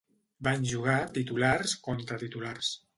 Van jugar titulars contra titulars.